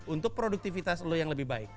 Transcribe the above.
untuk produktivitas lo yang lebih baik